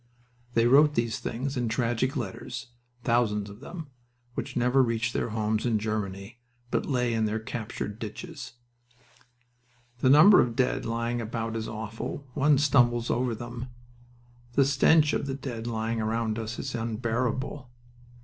They wrote these things in tragic letters thousands of them which never reached their homes in Germany, but lay in their captured ditches. "The number of dead lying about is awful. One stumbles over them." "The stench of the dead lying round us is unbearable."